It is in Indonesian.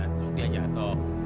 terus dia jatuh